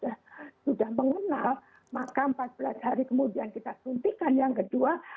kalau memory nya sudah mengenal maka empat belas hari kemudian kita suntikan yang kedua